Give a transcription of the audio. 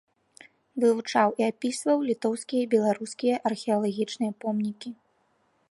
Вывучаў і апісваў літоўскія і беларускія археалагічныя помнікі.